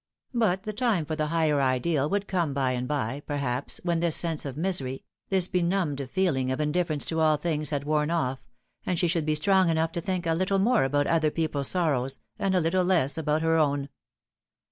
But the time for the higher ideal would come by and by, perhaps, when this sense of misery, this benumbed feeling of indifference to all things, had worn off' and she should be strong enough to think a little more about other people's sorrows and a little less about her own.